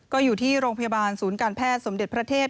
ก็อยู่ที่โรงพยาบาลศูนย์การแพทย์สมเด็จพระเทพ